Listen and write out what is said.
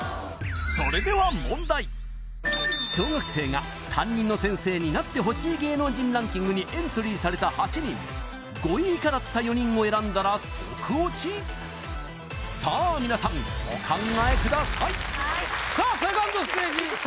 それでは問題小学生が担任の先生になってほしい芸能人ランキングにエントリーされた８人５位以下だった４人を選んだらソクオチさあみなさんお考えくださいさあ